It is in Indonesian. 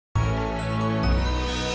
dia sudah pergi bersama istri